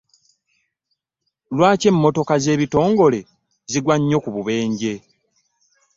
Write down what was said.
Lwaki emmotoka z'ebitongole zigwa nnyo ku bubenje?